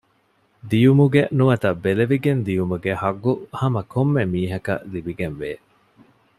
ދިޔުމުގެ ނުވަތަ ބެލެވިގެން ދިޔުމުގެ ޙައްޤު ހަމަކޮންމެ މީހަކަށް ލިބިގެންވޭ